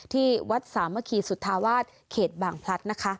ที่วัดสามัคคีสุธาวาสเขตบางพลัดนะคะ